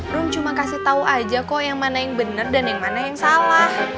rum cuma kasih tahu aja kok yang mana yang benar dan yang mana yang salah